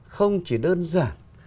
không chỉ đơn giản